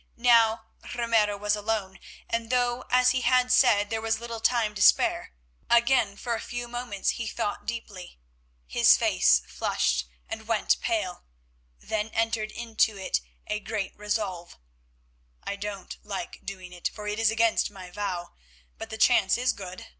Now Ramiro was alone, and though, as he had said, there was little time to spare, again for a few moments he thought deeply. His face flushed and went pale; then entered into it a great resolve. "I don't like doing it, for it is against my vow, but the chance is good.